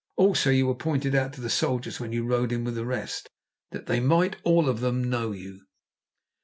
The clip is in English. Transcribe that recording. Also, you were pointed out to the soldiers when you rode in with the rest, that they might all of them know you."